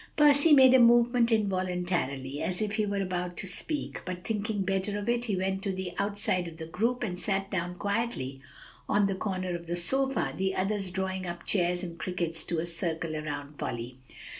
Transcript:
Percy made a movement involuntarily, as if he were about to speak; but thinking better of it, he went to the outside of the group, and sat down quietly on the corner of the sofa, the others drawing up chairs and crickets to a circle around Polly.